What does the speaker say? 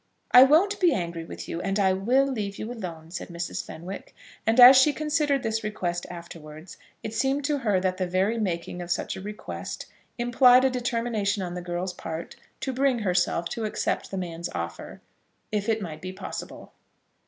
"I won't be angry with you, and I will leave you alone," said Mrs. Fenwick. And, as she considered this request afterwards, it seemed to her that the very making of such a request implied a determination on the girl's part to bring herself to accept the man's offer, if it might be possible.